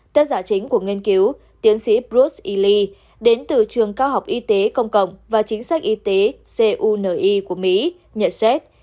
tác giả chính của nghiên cứu tiến sĩ bruce ely đến từ trường cao học y tế công cộng và chính sách y tế của mỹ nhận xét